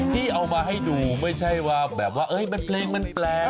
ที่เอามาให้ดูไม่ใช่ว่าแบบว่าเพลงมันแปลก